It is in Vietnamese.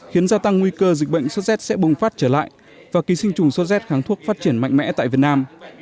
khiến gia tăng nguy cơ dịch bệnh sốt z sẽ bùng phát trở lại và ký sinh trùng sốt rét kháng thuốc phát triển mạnh mẽ tại việt nam